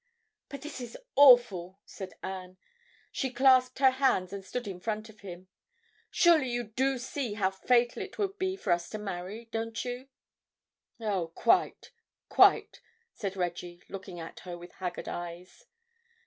"But this is awful," said Anne. She clasped her hands and stood in front of him. "Surely you do see how fatal it would be for us to marry, don't you?" "Oh, quite, quite," said Reggie, looking at her with haggard eyes.